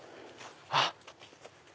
あっ！